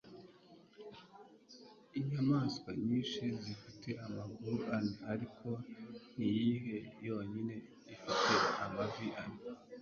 Inyamaswa nyinshi zifite amaguru ane, ariko niyihe yonyine ifite amavi ane?